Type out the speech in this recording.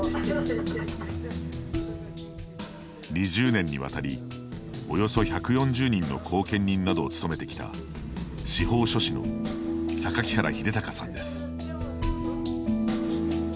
２０年に渡り、およそ１４０人の後見人などを務めてきた司法書士の榊原秀剛さんです。